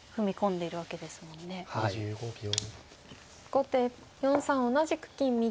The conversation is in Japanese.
後手４三同じく金右。